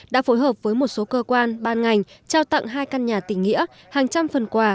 đã phối hợp với một số cơ quan ban ngành trao tặng hai căn nhà tỉnh nghĩa hàng trăm phần quà